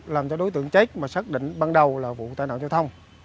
làm cho đối tượng chết mà xác định ban đầu là vụ tài nạo giao thông